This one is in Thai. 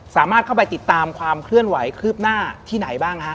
สามารถเข้าไปติดตามความเคลื่อนไหวคืบหน้าที่ไหนบ้างฮะ